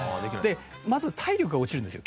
まず体力が落ちるんですよ。